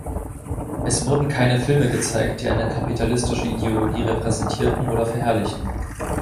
Es wurden keine Filme gezeigt, die eine kapitalistische Ideologie repräsentierten oder verherrlichten.